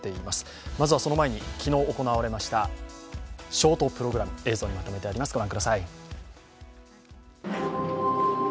まずは、その前に昨日行われましたショートプログラム、映像にまとめてあります。